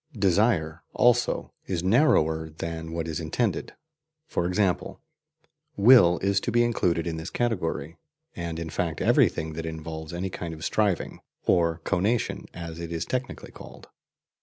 "Desire," also, is narrower than what is intended: for example, WILL is to be included in this category, and in fact every thing that involves any kind of striving, or "conation" as it is technically called.